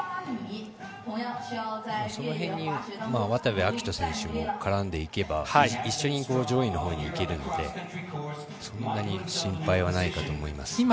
その辺に渡部暁斗選手も絡んでいけば一緒に上位のほうにいけるのでそんなに心配はないかと思います。